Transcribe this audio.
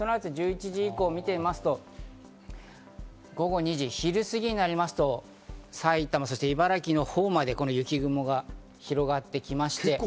１１時以降を見てみますと、午後２時、昼すぎになりますと、埼玉、そして茨城のほうまで雪雲が広がってきまして。